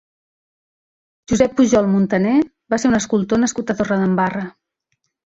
Josep Pujol Montané va ser un escultor nascut a Torredembarra.